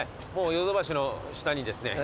ヨドバシの下にですね